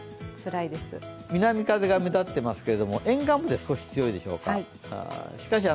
南風が目立っていますけど沿岸部で少しきついでしょうか。